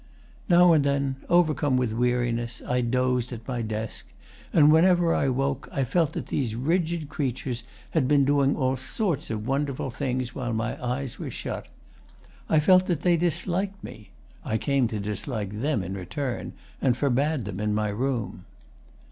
Now and then, overcome with weariness, I dozed at my desk, and whenever I woke I felt that these rigid creatures had been doing all sorts of wonderful things while my eyes were shut. I felt that they disliked me. I came to dislike them in return, and forbade them my room.